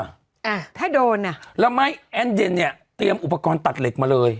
อ่าถ้าโดนอ่ะแล้วไม้แอนเดนเนี้ยเตรียมอุปกรณ์ตัดเหล็กมาเลย